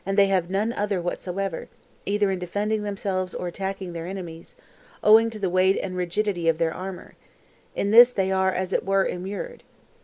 '3 6 have none other whatsoever, either in defending themselves or attacking: their enemies, owing to the weight and rigidity of their armour; in this they are, as. it..were, immured.)